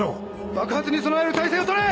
爆発に備える態勢を取れ！